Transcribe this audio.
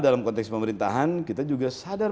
dalam konteks pemerintahan kita juga sadar